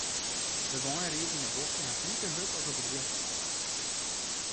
De wein ried yn 'e bochten hast like hurd as op it rjochte ein.